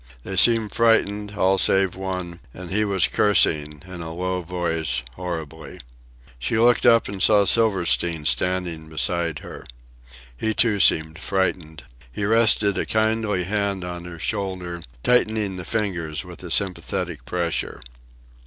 They seemed frightened, all save one, and he was cursing, in a low voice, horribly. She looked up and saw Silverstein standing beside her. He, too, seemed frightened. He rested a kindly hand on her shoulder, tightening the fingers with a sympathetic pressure.